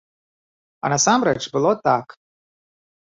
А насамрэч было так.